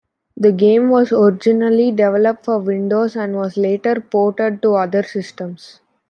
The game was originally developed for Windows and was later ported to other systems.